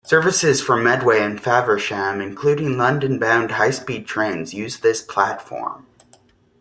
Services from Medway and Faversham, including London bound high speed trains use this platform.